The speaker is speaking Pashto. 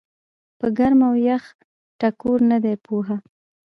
پۀ ګرم او يخ ټکور نۀ دي پوهه